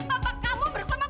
apa kamu bersama aku